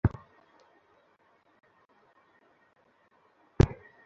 তুই চালাতে পারিস?